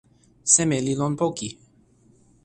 seme li lon poki?